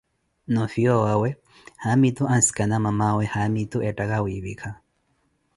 Noofiyaza owaawe haamitu ansikana mamaawe haamitu eettaka wiipika.